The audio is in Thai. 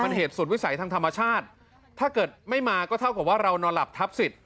มันเหตุสุดวิสัยทางธรรมชาติถ้าเกิดไม่มาก็เท่ากับว่าเรานอนหลับทับสิทธิ